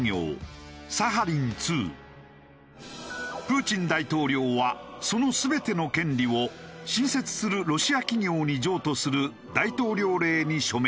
プーチン大統領はその全ての権利を新設するロシア企業に譲渡する大統領令に署名。